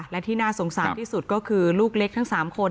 และที่น่าสงสารที่สุดก็คือลูกเล็กทั้ง๓คน